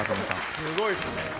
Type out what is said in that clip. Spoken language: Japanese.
すごいっすね。